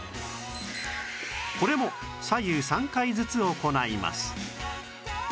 これも左右３回ずつ行います